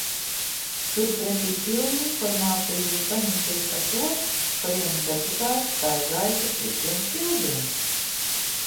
Turpretī pilnu informāciju jūs saņemsiet par to, ka viens deputāts staigājis ar plikiem stilbiem.